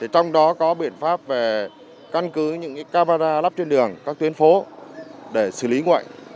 trong đó có biện pháp về căn cứ những camera lắp trên đường các tuyến phố để xử lý ngoại